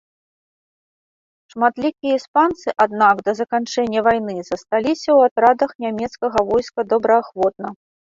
Шматлікія іспанцы, аднак, да заканчэння вайны засталіся ў атрадах нямецкага войска добраахвотна.